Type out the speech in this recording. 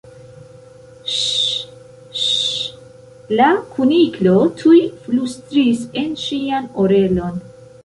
"Ŝ! Ŝ!" la Kuniklo tuj flustris en ŝian orelon.